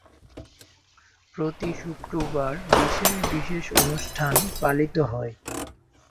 প্রতি শুক্রবার বিশেষ বিশেষ অনুষ্ঠান পালিত হয়।